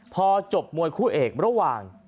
พอจบมวยคู่เอกบรวมหวาน